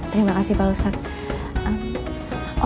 terima kasih pak ustadz